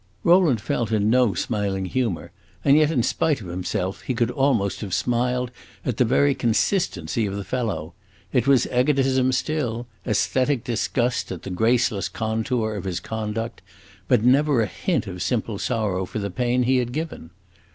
Rowland felt in no smiling humor, and yet, in spite of himself, he could almost have smiled at the very consistency of the fellow. It was egotism still: aesthetic disgust at the graceless contour of his conduct, but never a hint of simple sorrow for the pain he had given.